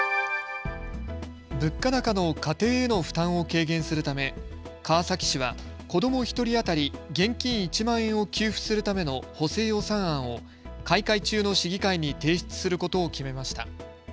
物価高の家庭への負担を軽減するため川崎市は子ども１人当たり現金１万円を給付するための補正予算案を開会中の市議会に提出することを決めました。